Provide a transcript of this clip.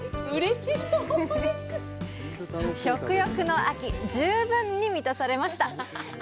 食欲の秋、十分に満たされました。